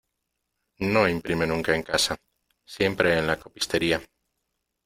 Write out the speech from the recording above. No imprime nunca en casa, siempre en la copistería.